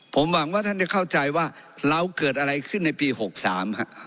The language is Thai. ผมหวังว่าท่านจะเข้าใจว่าเราเกิดอะไรขึ้นในปี๖๓ฮะ